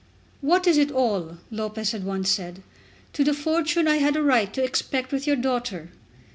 "What is it all," Lopez had once said, "to the fortune I had a right to expect with your daughter?"